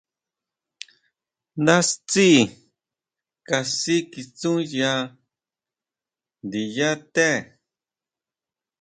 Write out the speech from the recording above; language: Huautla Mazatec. Ndá tsí kasikitsúya ndiyá té.